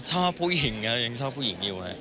ชอบผู้หญิงครับยังชอบผู้หญิงอยู่